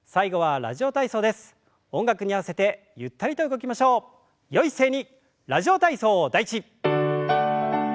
「ラジオ体操第１」。